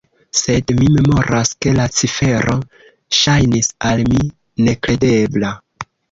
Sed mi memoras, ke la cifero ŝajnis al mi nekredebla.